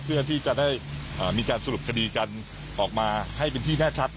เพื่อที่จะได้มีการสรุปคดีกันออกมาให้เป็นที่แน่ชัด